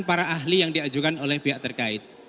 para ahli yang diajukan oleh pihak terkait